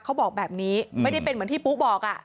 เขาบอกแบบนี้ไม่ได้เป็นเหมือนที่ปุ๊บอก